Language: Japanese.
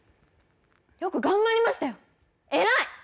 よく頑張りましたよ偉い！